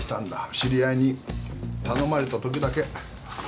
知り合いに頼まれたときだけ。